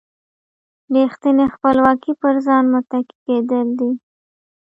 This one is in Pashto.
ریښتینې خپلواکي پر ځان متکي کېدل دي.